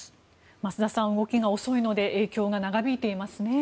増田さん動きが遅いので影響が長引いていますね。